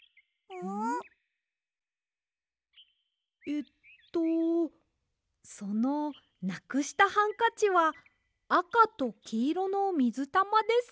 えっとそのなくしたハンカチはあかときいろのみずたまですか？